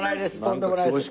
とんでもないです。